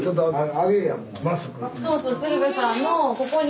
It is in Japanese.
そうそう鶴瓶さんのここに。